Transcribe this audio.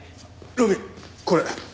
路敏これ。